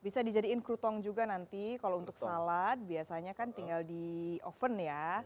bisa dijadiin krutong juga nanti kalau untuk salad biasanya kan tinggal di oven ya